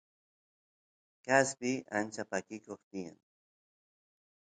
kaspi ancha pakikoq tiyan